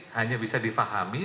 hanya bisa difahami